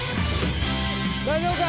大丈夫か？